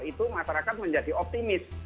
itu masyarakat menjadi optimis